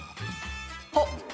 あっ！